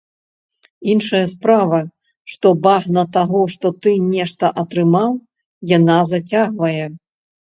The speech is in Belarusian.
Іншая справа, што багна таго, што ты нешта атрымаў, яна зацягвае.